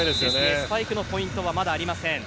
スパイクのポイントはまだありません。